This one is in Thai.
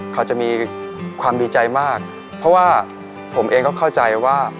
เขาจะมีความดีใจมากเพราะว่าผมเองก็เข้าใจว่า